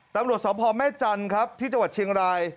ตำรวจสาวพอบบแม่จันทรัพย์ที่เจาะเชียงราย